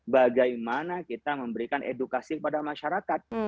bagaimana kita memberikan edukasi kepada masyarakat